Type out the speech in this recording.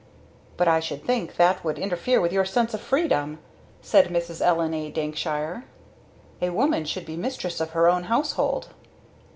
"But I should think that would interfere with your sense of freedom," said Mrs. Ellen A Dankshire, "A woman should be mistress of her own household."